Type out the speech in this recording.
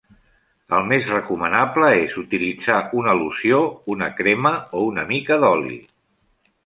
El més recomanable és utilitzar una loció, una crema o una mica d'oli.